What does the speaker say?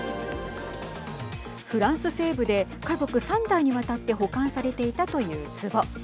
フランス西部で家族３代にわたって保管されていたというつぼ。